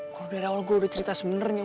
gue dari awal gue udah cerita sebenernya